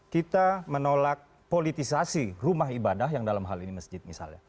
kita menolak politisasi rumah ibadah yang dalam hal ini masjid misalnya